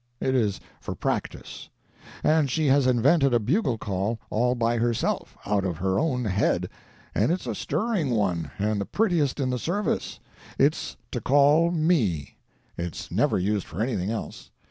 It is for practice. And she has invented a bugle call all by herself, out of her own head, and it's a stirring one, and the prettiest in the service. It's to call me—it's never used for anything else.